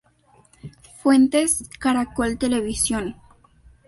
Fuentes: Caracol Televisión.